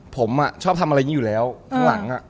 ผมอะชอบทำอะไรอยู่แล้วข้างหลัง